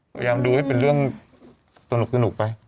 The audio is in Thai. บอกดูดูให้เป็นเรื่องสนุกสนุกไป